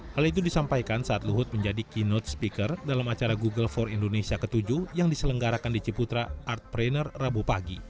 hal itu disampaikan saat luhut menjadi keynote speaker dalam acara google for indonesia ke tujuh yang diselenggarakan di ciputra art planner rabu pagi